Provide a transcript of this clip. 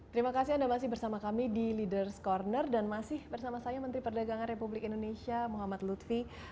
terima kasih anda masih bersama kami di ⁇ leaders ⁇ corner dan masih bersama saya menteri perdagangan republik indonesia muhammad lutfi